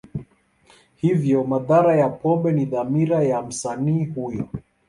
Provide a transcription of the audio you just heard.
Hivyo, madhara ya pombe ni dhamira ya msanii huyo.